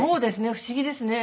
不思議ですね。